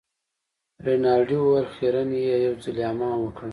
رینالډي وویل خیرن يې یو ځلي حمام وکړه.